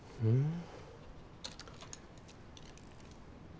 うん。